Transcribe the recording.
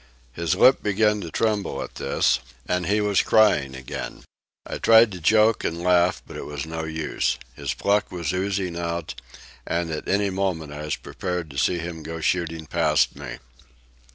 His lip began to tremble at this, and he was crying again. I tried to joke and laugh, but it was no use. His pluck was oozing out, and at any moment I was prepared to see him go shooting past me.